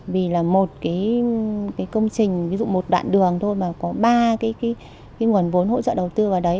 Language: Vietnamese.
vì là một cái công trình ví dụ một đoạn đường thôi mà có ba cái nguồn vốn hỗ trợ đầu tư vào đấy